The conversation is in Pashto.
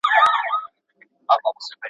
انارګل ته وویل شول چې لور یې ورته غوښتې ده.